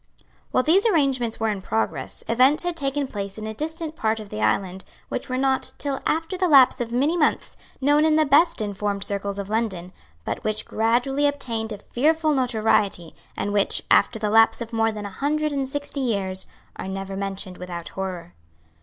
While these arrangements were in progress, events had taken place in a distant part of the island which were not, till after the lapse of many months, known in the best informed circles of London, but which gradually obtained a fearful notoriety, and which, after the lapse of more than a hundred and sixty years, are never mentioned without horror.